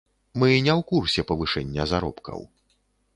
Мы не ў курсе павышэння заробкаў.